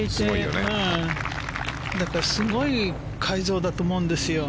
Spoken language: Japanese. だからすごい改造だと思うんですよ。